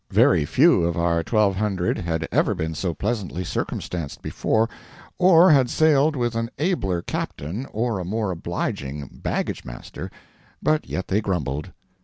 Very few of our twelve hundred had ever been so pleasantly circumstanced before, or had sailed with an abler Captain or a more obliging baggage master, but yet they grumbled.